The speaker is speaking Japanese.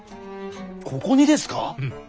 ここにですか！？